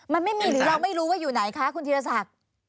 มันไม่มีหรือเราไม่รู้ว่าอยู่ไหนคะคุณธีรศักดิ์